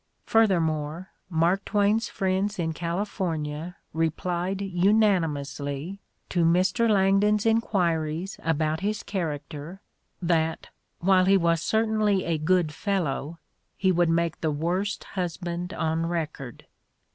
Further more, Mark Twain 's friends in California replied unani mously to Mr. Langdon 's enquiries about his character, that, while he was certainly a good fellow, he would make the "worst husband on record."